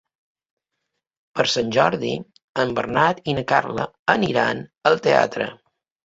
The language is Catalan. Per Sant Jordi en Bernat i na Carla aniran al teatre.